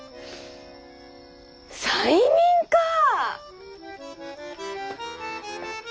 催眠かぁ！